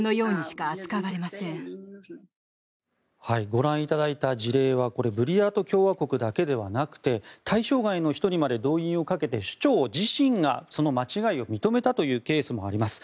ご覧いただいた事例はブリヤート共和国だけではなくて対象外の人にまで動員をかけて首長自身がその間違いを認めたというケースもあります。